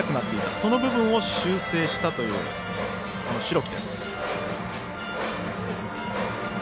その部分を修正したという代木。